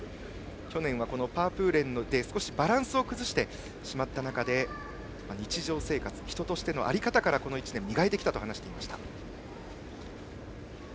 去年はパープーレンで少しバランスを崩した中で日常生活、人としての在り方からこの１年、磨いてきたと話していました。